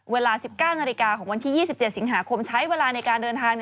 เวลา๑๙นาฬิกาของวันที่๒๗สิงหาคมใช้เวลาในการเดินทาง